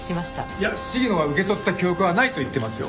いや鴫野は受け取った記憶はないと言ってますよ。